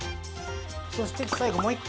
◆そして最後もう一回。